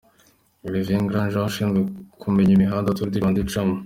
Olivier Grand-Jean ushinzwe kumenya imihanda Tour du Rwanda icamo.